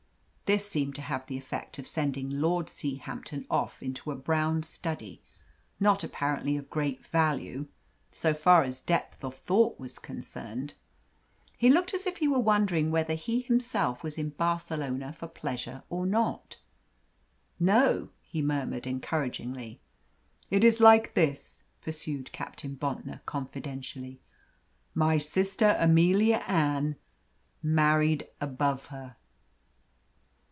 This seemed to have the effect of sending Lord Seahampton off into a brown study not apparently of great value so far as depth of thought was concerned. He looked as if he were wondering whether he himself was in Barcelona for pleasure or not. "No," he murmured encouragingly, "It is like this," pursued Captain Bontnor, confidentially. "My sister, Amelia Ann, married above her."